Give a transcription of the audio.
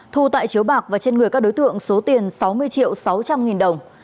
thu tại chiếu bạc và trên người các đối tượng số tiền sáu mươi triệu sáu trăm linh nghìn đồng